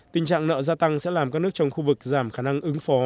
tình trạng nợ gia tăng sẽ làm các nước trong khu vực giảm khả năng ứng phó